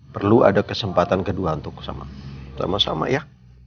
perlu ada kesempatan kedua untuk sama sama ya